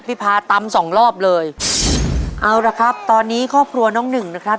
พาตำสองรอบเลยเอาละครับตอนนี้ครอบครัวน้องหนึ่งนะครับ